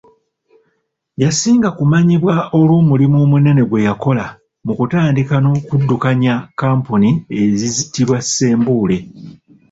Yasinga ku manyibwa olw'omulimu omunene gwe yakola mu kutandika n'okudukanya kkampuni eziyitibwa Ssembule